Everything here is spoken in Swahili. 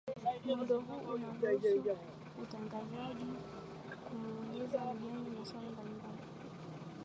muundo huu unamruhusu mtangazaji kumuuliza mgeni maswali mbalimbali